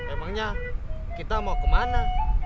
emangnya kita mau kemana